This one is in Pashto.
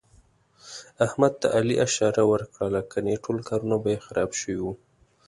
احمد ته علي اشاره ور کړله، ګني ټول کارونه به یې خراب شوي وو.